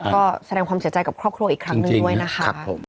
ก็แสดงความเสียใจกับครอบครัวอีกครั้งหนึ่งด้วยนะคะ